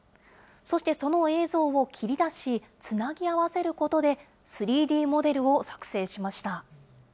そしてその映像を切り出し、つなぎ合わせることで３Ｄモデルを作成しました。